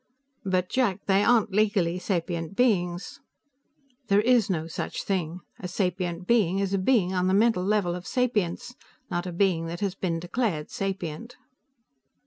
"But, Jack, they aren't legally sapient beings." "There is no such thing. A sapient being is a being on the mental level of sapience, not a being that has been declared sapient."